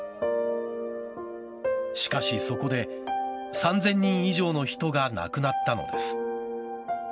しかしそこで３０００人以上の人が亡くなったのです。